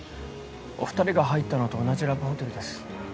お２人が入ったのと同じラブホテルです。